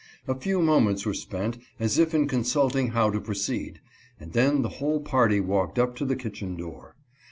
A few moments were spent as if in consulting how to proceed, and then the whole party walked up to the kitchen door.